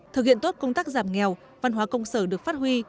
thực hiện tốt công tác giảm nghèo văn hóa công sở được phát huy